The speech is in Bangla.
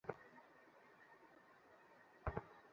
আমার শরীর তো দেখিতেছিস।